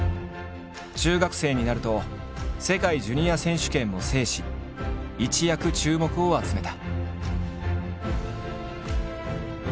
中学生になると世界ジュニア選手権も制し一躍注目を集めた。